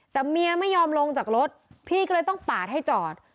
แต่เมียไม่ยอมลงจากรถพี่ก็เลยต้องปาดให้จอด